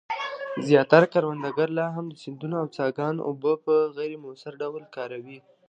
زیاتره کروندګر لا هم د سیندونو او څاګانو اوبه په غیر مؤثر ډول کاروي.